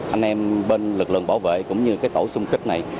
anh em bên lực lượng bảo vệ cũng như cái tổ xung khích này